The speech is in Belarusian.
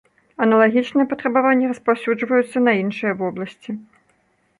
Аналагічныя патрабаванні распаўсюджваюцца на іншыя вобласці.